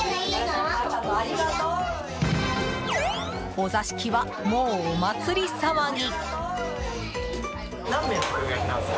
お座敷は、もうお祭り騒ぎ！